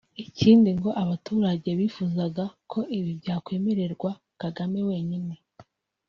Ikindi ngo abaturage bifuzaga ko ibi byakwemererwa Kagame wenyine